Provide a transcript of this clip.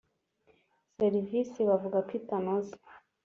serivisi bavuga ko itanoze